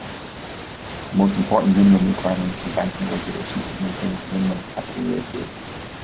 The most important minimum requirement in banking regulation is maintaining minimum capital ratios.